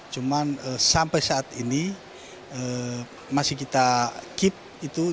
cuman sampai saat ini masih kita keep itu